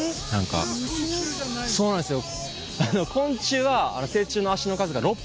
そうなんですよ。